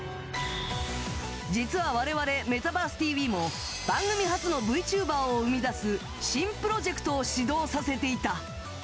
実は我々「メタバースＴＶ！！」も番組発のＶＴｕｂｅｒを生み出す新プロジェクトを始動させていた。